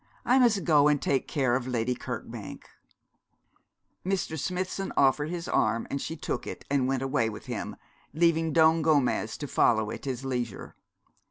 I must go and take care of Lady Kirkbank.' Mr. Smithson offered his arm, and she took it and went away with him, leaving Don Gomez to follow at his leisure.